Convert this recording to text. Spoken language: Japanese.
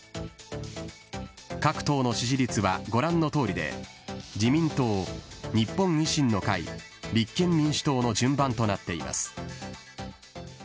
各党の支持率はご覧のとおりで、自民党、日本維新の会、立憲民主党の順番となっています。